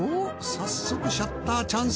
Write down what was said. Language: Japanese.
早速シャッターチャンス。